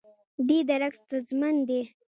دې درک ستونزمن دی.